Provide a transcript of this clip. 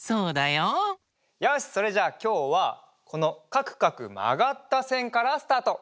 よしそれじゃあきょうはこのかくかくまがったせんからスタート！